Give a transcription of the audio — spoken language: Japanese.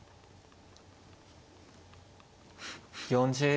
４０秒。